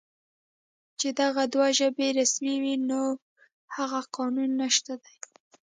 چې دغه دوه ژبې رسمي وې، نور هغه قانون نشته دی